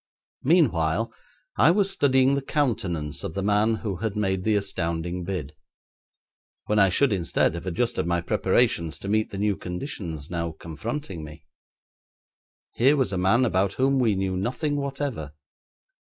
Meanwhile I was studying the countenance of the man who had made the astounding bid, when I should instead have adjusted my preparations to meet the new conditions now confronting me. Here was a man about whom we knew nothing whatever.